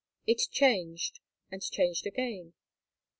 It changed, and changed again.